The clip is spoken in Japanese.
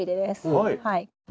はい。